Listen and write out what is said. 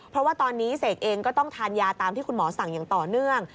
เพราะว่าตอนนี้เสกเองก็ต้องทานยาตามที่คุณหมอสั่งอย่างต่อเนื่อง